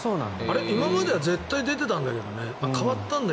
今までは絶対出てたんだけどね。